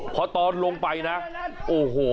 พอตอนลงไปนะโอ้โห